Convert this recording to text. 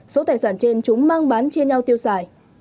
số tài sản trên chúng mang bán chia nhau tiêu xài